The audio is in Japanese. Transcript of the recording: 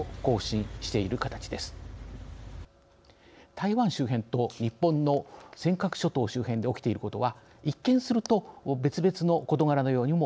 台湾周辺と日本の尖閣諸島周辺で起きていることは一見すると別々の事柄のようにも思えます。